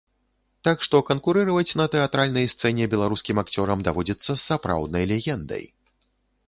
Так што канкурыраваць на тэатральнай сцэне беларускім акцёрам даводзіцца з сапраўднай легендай.